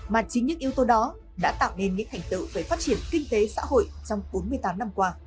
mà chính những yếu tố đó đã tạo nên những thành tựu về phát triển kinh tế xã hội trong bốn mươi tám năm qua